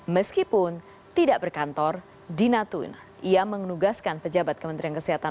meskipun tidak berkantor di natuna ia menugaskan pejabat kementerian kesehatan